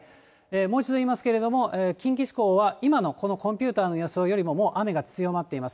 もう一度言いますけれども、近畿地方は今のコンピューターの予想よりももう雨が強まっています。